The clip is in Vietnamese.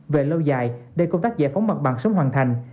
về lâu dài để công tác giải phóng mặt bằng sớm hoàn thành